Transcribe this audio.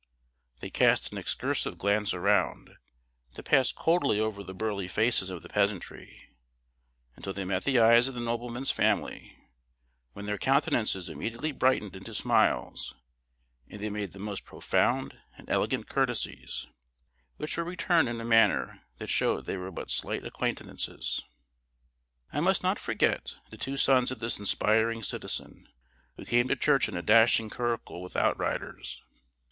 They cast an excursive glance around, that passed coldly over the burly faces of the peasantry, until they met the eyes of the nobleman's family, when their countenances immediately brightened into smiles, and they made the most profound and elegant courtesies, which were returned in a manner that showed they were but slight acquaintances. I must not forget the two sons of this inspiring citizen, who came to church in a dashing curricle with outriders.